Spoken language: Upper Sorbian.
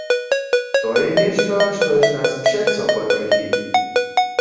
To je něšto, štož nas přeco potrjechi.